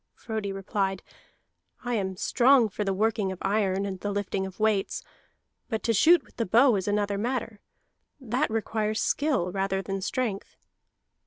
Frodi replied: "I am strong for the working of iron and the lifting of weights, but to shoot with the bow is another matter. That requires skill rather than strength."